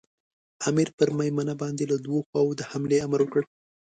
امیر پر مېمنه باندې له دوو خواوو د حملې امر وکړ.